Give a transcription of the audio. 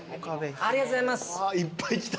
ありがとうございます。